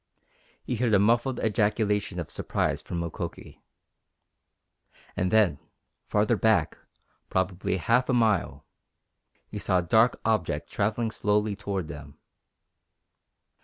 He heard a muffled ejaculation of surprise from Mukoki. And then, far back probably half a mile he saw a dark object travelling slowly toward them.